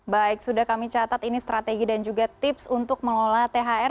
baik sudah kami catat ini strategi dan juga tips untuk mengelola thr